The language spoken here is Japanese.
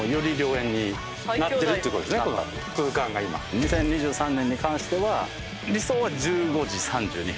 ２０２３年に関しては理想は１５時３２分。